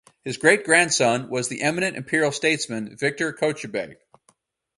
His great-grandson was the eminent imperial statesman Viktor Kochubey.